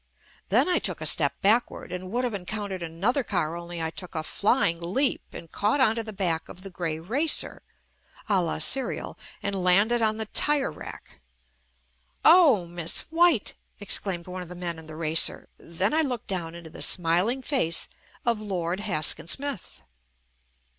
Then I took a step backward and would have encountered another car only I took a flying leap and caught onto the back of the grey racer (a la serial) and landed on the tire rack. "Oh, Miss White," exclaimed one of the men in the racer — then I looked down into the smiling face of Lord Haskin Smith.